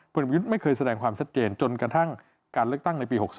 วิทย์ไม่เคยแสดงความชัดเจนจนกระทั่งการเลือกตั้งในปี๖๒